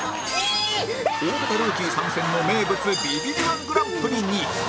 大型ルーキー参戦の名物ビビリ −１ グランプリに